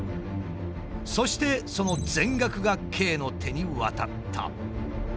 そしてその全額がＫの手に渡った。